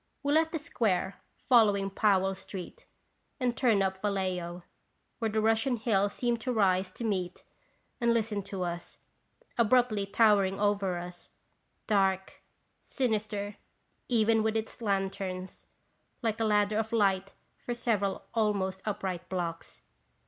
We left the Square, following Powell street, and turned up Vallejo, where Russian Hill seemed to rise to meet and listen to us, abruptly towering above us, dark, sinister even with its lanterns, like a ladder of light for several almost upright blocks.